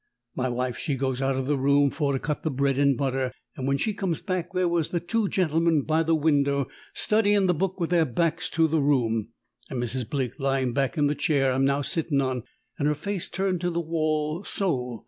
My wife, she goes out of the room for to cut the bread and butter, and when she comes back there was the two gentlemen by the window studyin' the book with their backs to the room, and Mrs. Blake lyin' back in the chair I'm now sittin' on, an' her face turned to the wall so.